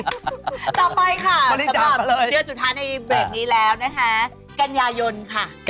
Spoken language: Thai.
ต่อไปค่ะเดี๋ยวสุดท้ายในเบรดนี้แล้วนะคะกัญญายนต์ค่ะ